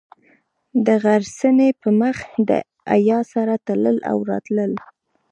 د غرڅنۍ پر مخ د حیا سره تلل او راتلل.